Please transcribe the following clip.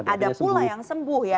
ada pula yang sembuh ya